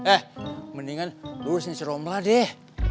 eh mendingan lo urusin si romla deh